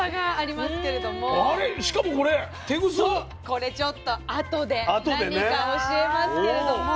これちょっと後で何か教えますけれども。